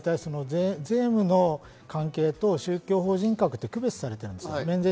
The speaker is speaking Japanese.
他の国は税務の関係と宗教法人格って区別されてるんですね。